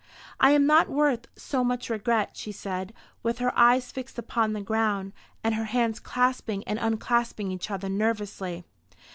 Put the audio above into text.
"I am not worth so much regret," she said, with her eyes fixed upon the ground, and her hands clasping and unclasping each other nervously.